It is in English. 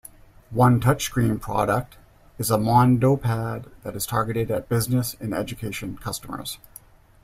One touchscreen product is the Mondopad that is targeted at business and education customers.